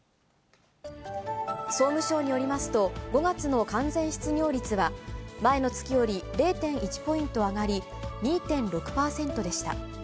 総務省によりますと、５月の完全失業率は、前の月より０．１ポイント上がり、２．６％でした。